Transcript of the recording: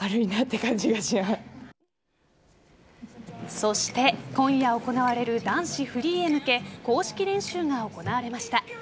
そして今夜行われる男子フリーへ向け公式練習が行われました。